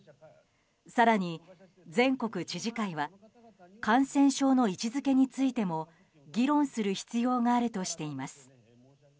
更に全国知事会は感染症の位置づけについても議論する必要があるとしています。